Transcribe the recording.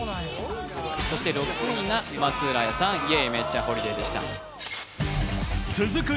そして６位が松浦亜弥さん「Ｙｅａｈ！めっちゃホリディ」でした続く